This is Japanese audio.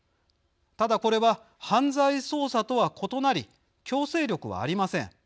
ただ、これは犯罪捜査とは異なり強制力はありません。